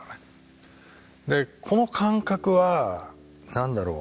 でこの感覚は何だろう？